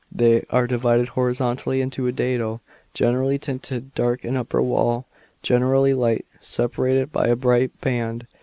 They are divided horizontally into a dado, generally tinted dark, and an upper wall, generally light, separated by a bright band.